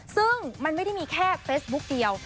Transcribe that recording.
ซึ่งมันไม่ได้มีแค่เฟซบุ๊กเดียว